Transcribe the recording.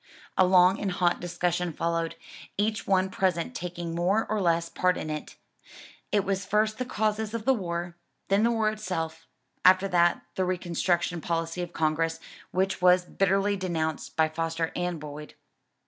A long and hot discussion followed, each one present taking more or less part in it. It was first the causes of the war, then the war itself; after that the reconstruction policy of Congress, which was bitterly denounced by Foster and Boyd.